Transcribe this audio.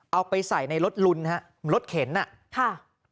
เอาไปใส่ในรถลุนนะฮะรถเข็นนะ